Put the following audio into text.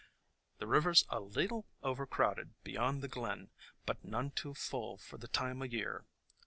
"The river 's a leetle overcrowded beyond the glen, but none too full for the time o' year.